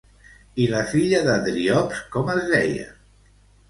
I la filla de Driops com es deia?